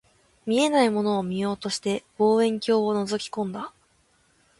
見えないものを見ようとして、望遠鏡を覗き込んだ